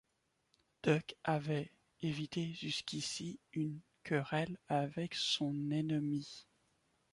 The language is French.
Buck avait évité jusqu’ici une querelle avec son ennemi.